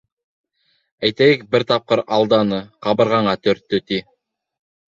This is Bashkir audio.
Әйтәйек бер тапҡыр алданы, ҡабырғаңа төрттө, ти.